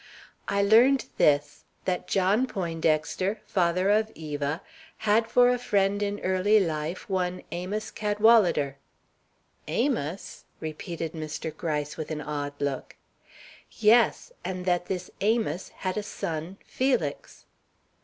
"I learned this, that John Poindexter, father of Eva, had for a friend in early life one Amos Cadwalader." "Amos!" repeated Mr. Gryce, with an odd look. "Yes, and that this Amos had a son, Felix."